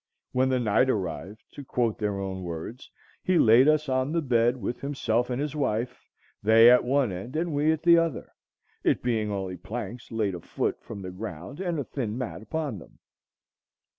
When the night arrived, to quote their own words,—"He laid us on the bed with himself and his wife, they at the one end and we at the other, it being only planks laid a foot from the ground, and a thin mat upon them.